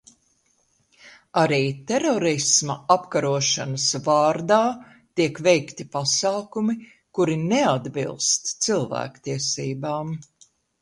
Arī terorisma apkarošanas vārdā tiek veikti pasākumi, kuri neatbilst cilvēktiesībām.